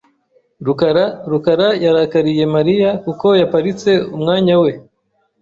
[rukara] rukara yarakariye Mariya kuko yaparitse umwanya we .